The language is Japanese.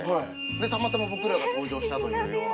たまたま僕らが登場したというような。